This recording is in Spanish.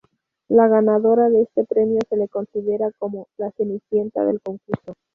La ganadora de este premio se le considera como la "Cenicienta" del concurso.